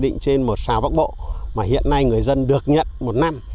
quy định trên một xào bắc bộ mà hiện nay người dân được nhận một năm